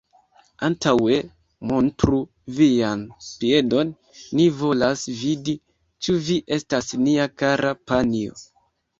Antaŭe montru vian piedon, ni volas vidi, ĉu vi estas nia kara panjo.